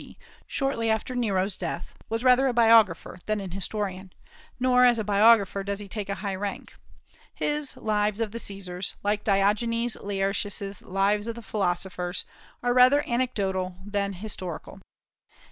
D., shortly after Nero's death, was rather a biographer than an historian; nor as a biographer does he take a high rank. His "Lives of the Caesars," like Diogenes Laertius's "Lives of the Philosophers," are rather anecdotical than historical.